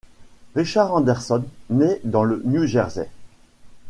Richard Anderson nait dans le New Jersey.